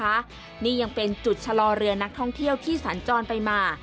นี่ยังเป็นจุดชะลอเรือนักท่องเที่ยวที่สัญจรไปมา